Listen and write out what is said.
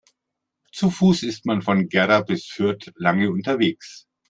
Zu Fuß ist man von Gera bis Fürth lange unterwegs